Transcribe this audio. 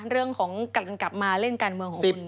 เรื่องของการกลับมาเล่นการเมืองของคุณ